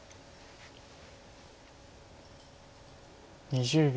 ２０秒。